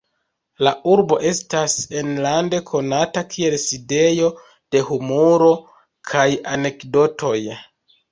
La urbo estas enlande konata kiel sidejo de humuro kaj anekdotoj.